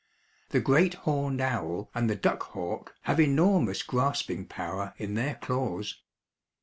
The great horned owl and the duck hawk have enormous grasping power in their claws.